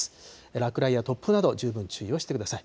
落雷や突風など十分注意をしてください。